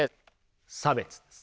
差別です。